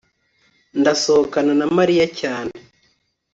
ndasohokana na mariya cyane